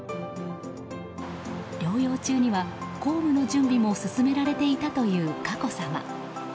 療養中には公務の準備も進められていたという佳子さま。